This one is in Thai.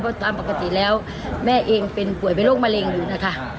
เพราะตามปกติแล้วแม่เองเป็นป่วยเป็นโรคมะเร็งอยู่นะคะ